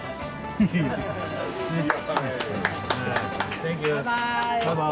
センキュー。